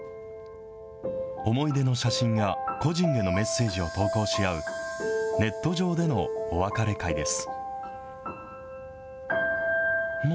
思い出の写真や故人へのメッセージを投稿し合う、ネット上でのお別れ会です。